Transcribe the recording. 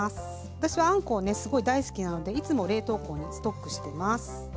私はあんこをねすごい大好きなのでいつも冷凍庫にストックしてます。